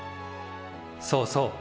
そうそう。